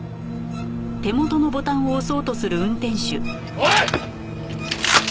おい！